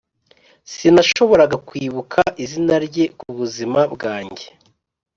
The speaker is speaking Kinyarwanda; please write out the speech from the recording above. sinashoboraga kwibuka izina rye kubuzima bwanjye.